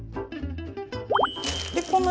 でこの